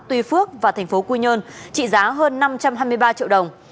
tuy phước và thành phố quy nhơn trị giá hơn năm trăm hai mươi ba triệu đồng